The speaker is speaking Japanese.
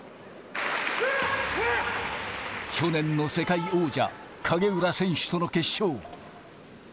去年の世界王者、景浦選手との決勝。